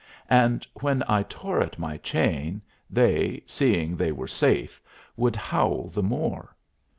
And when I tore at my chain, they, seeing they were safe, would howl the more.